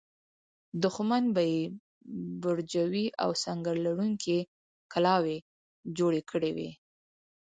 دښمن به یې برجورې او سنګر لرونکې کلاوې جوړې کړې وي.